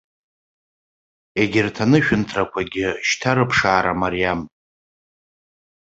Егьырҭ анышәынҭрақәагьы шьҭа рыԥшаара мариам.